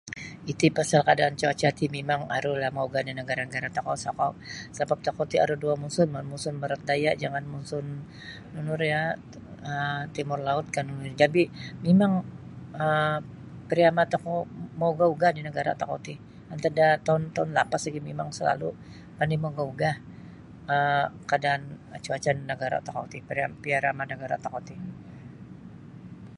Iti pasal keadaan cuaca ti mimang arulah maugah da negara-nagara tokou sokou sebap tokou aru duo monsun barat daya dan nunu iri um monsun timur lautkah tapi mimang pariama tokou maugah-ugah antad da toun-toun lapas lagi pandai miugah-ugah keadaan cuaca pariama da nagara tokou ti.